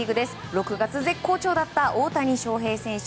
６月絶好調だった大谷翔平選手。